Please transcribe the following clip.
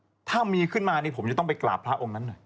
ถ้ามีขึ้นมานี่ผมจะต้องไปกราบพระองค์นั้นหน่อย